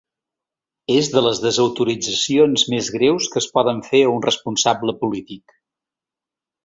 És de les desautoritzacions més greus que es poden fer a un responsable polític.